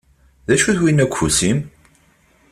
D acu-t winna deg ufus-im?